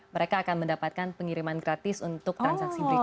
mereka akan mendapatkan pengiriman gratis untuk transaksi berikutnya